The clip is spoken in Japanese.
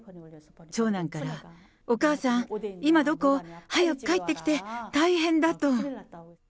長男から、お母さん、今どこ？早く帰ってきて、大変だ！と。